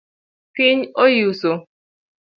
Piny oyuso.